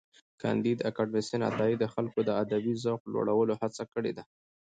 کانديد اکاډميسن عطایي د خلکو د ادبي ذوق لوړولو هڅه کړې ده.